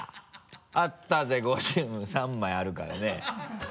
あったぜ５０３枚あるからね。